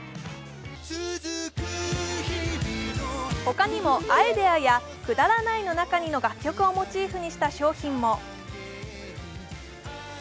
他にも「アイデア」や「くだらないの中に」の楽曲をモチーフにした商品も。